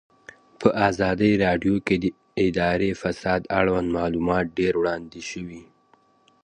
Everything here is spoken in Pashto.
په ازادي راډیو کې د اداري فساد اړوند معلومات ډېر وړاندې شوي.